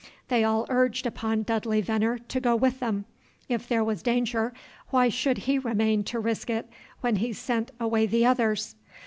They all urged upon Dudley Veneer to go with them: if there was danger, why should he remain to risk it, when he sent away the others?